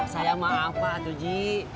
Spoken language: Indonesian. saya maaf pak tuh ji